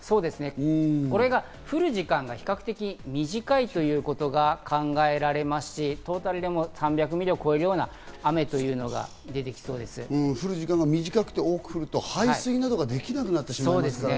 これが降る時間が比較的短いということが考えられますし、トータルでも３００ミリを超えるような雨というのが出てきそうで降る時間が短くて多く降ると排水などができなくなりますからね。